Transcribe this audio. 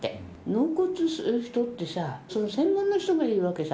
納骨する人ってさ、その専門の人がいるわけさ。